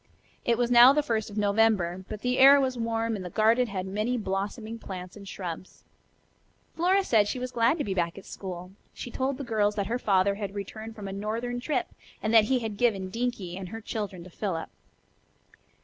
It was now the first of November, but the air was warm and the garden had many blossoming plants and shrubs. Flora said that she was glad to be back at school. She told the girls that her father had returned from a northern trip and that he had given Dinkie and her children to Philip.